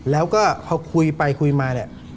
แล้วก็พอคุยไปคุยมา